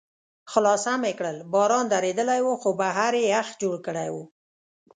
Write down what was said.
خلاصه مې کړل، باران درېدلی و، خو بهر یې یخ جوړ کړی و.